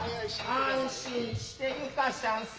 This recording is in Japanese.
安心して行かしゃんせ。